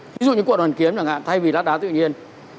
ví dụ như quận hoàn kiếm chẳng hạn thay vì lát đá tự nhiên